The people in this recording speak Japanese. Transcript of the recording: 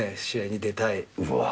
試合に出たい。